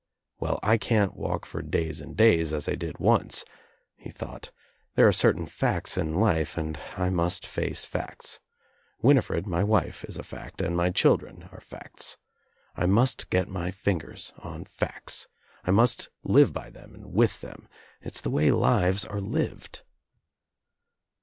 "Well, I can't walk for days and days as I did once," he thought. "There are certain facts in life and I must face facts. Winifred, my wife, is a fact, and my children are facts. I must get my fingers on facts. I must live by them and with them. It's the way lives are lived."